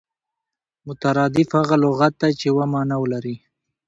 مترادف هغه لغت دئ، چي یوه مانا ولري.